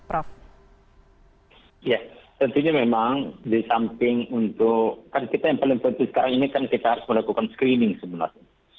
ya tentunya memang di samping untuk kan kita yang paling penting sekarang ini kan kita harus melakukan screening sebenarnya